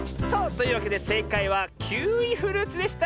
というわけでせいかいはキウイフルーツでした！